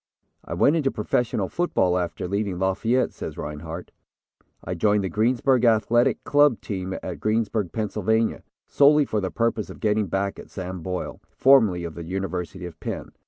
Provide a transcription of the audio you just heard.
"I went into professional football, after leaving Lafayette," says Rinehart. "I joined the Greensburg Athletic Club team at Greensburg, Pennsylvania, solely for the purpose of getting back at Sam Boyle, formerly of the University of Penn.